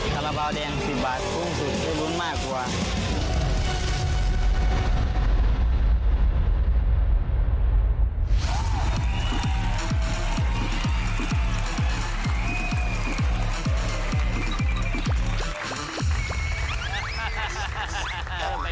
คาราบาลแดง๑๐บาทคุ้มสุดได้คุ้มมากกว่า